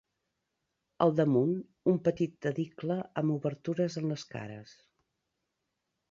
Al damunt, un petit edicle amb obertures en les cares.